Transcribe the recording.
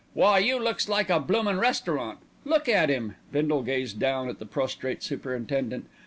Why, you looks like a bloomin' restaurant. Look at 'im!" Bindle gazed down at the prostrate superintendent.